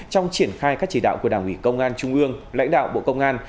trong triển khai các chỉ đạo của đảng ủy công an trung ương lãnh đạo bộ công an